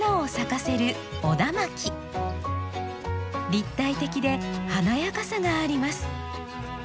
立体的で華やかさがあります。